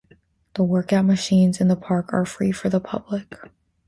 The workout machines in the park are free for the public.